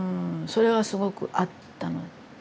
それはすごくあったの。